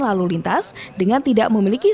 lalu lintas dengan tidak memiliki